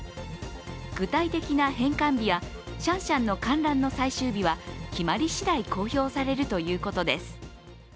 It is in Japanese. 具体的な返還日やシャンシャンの観覧の最終日は決まりしだい公表されるということです。